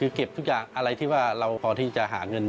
คือเก็บทุกอย่างอะไรที่ว่าเราพอที่จะหาเงิน